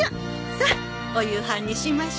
さあお夕飯にしましょ。